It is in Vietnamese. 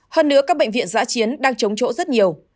hơn nữa các bệnh viện giã chiến đang chống chỗ rất nhiều